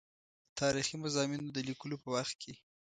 تاریخي مضامینو د لیکلو په وخت کې.